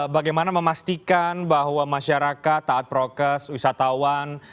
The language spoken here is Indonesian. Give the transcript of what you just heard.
bagaimana memastikan bahwa masyarakat taat prokes wisatawan